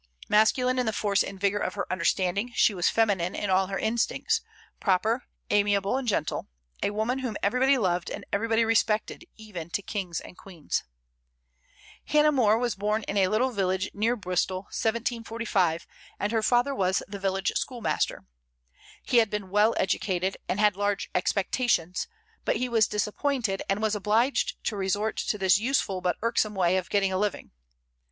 Masculine in the force and vigor of her understanding, she was feminine in all her instincts, proper, amiable, and gentle; a woman whom everybody loved and everybody respected, even to kings and queens. Hannah More was born in a little village near Bristol, 1745, and her father was the village schoolmaster. He had been well educated, and had large expectations; but he was disappointed, and was obliged to resort to this useful but irksome way of getting a living.